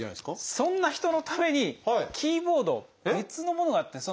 そんな人のためにキーボード別のものがあって。